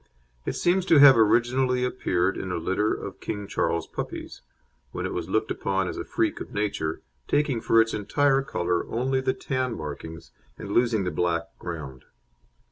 It seems to have originally appeared in a litter of King Charles puppies, when it was looked upon as a freak of nature, taking for its entire colour only the tan markings and losing the black ground.